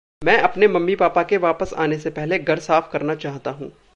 मैं अपने पापा-मम्मी के वापस आने से पहले घर साफ़ करना चाहता हूँ।